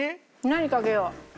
何かけよう？